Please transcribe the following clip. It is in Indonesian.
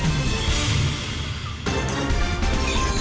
terima kasih juga